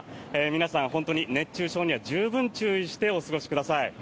皆さん、本当に熱中症には十分注意してお過ごしください。